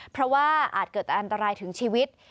เพราะว่าอาจเกิดอันตรายถึงชีวิต